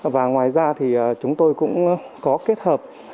và ngoài ra thì chúng tôi cũng có kết hợp